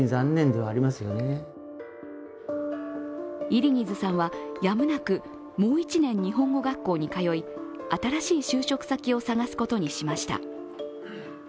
イリギズさんはやむなく、もう１年日本語学校に通い新しい就職先を探すことにしました。